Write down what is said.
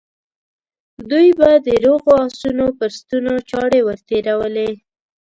دوی به د روغو آسونو پر ستونو چاړې ور تېرولې.